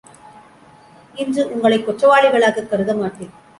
இன்று உங்களைக் குற்றவாளிகளாகக் கருத மாட்டேன்.